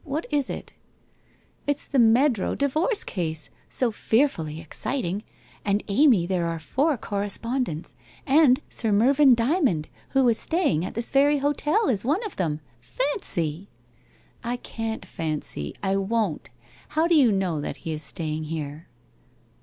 What is it ?'* It's the Meadrow divorce case ! So fearfully exciting ! And Amy, there are four co respondents, and Sir Mervyn Dvmond, who is staying at this very hotel, is one of them. Fancy !'' I can't fancy. I won't. How do you know that he is staying here?